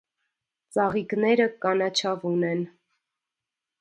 Ծաղիկները կանաչավուն են։